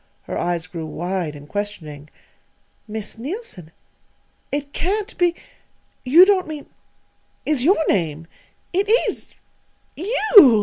Her eyes grew wide and questioning. "Miss Neilson it can't be you don't mean is your name it _is you!